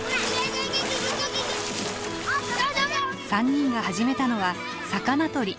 ３人が始めたのは魚捕り。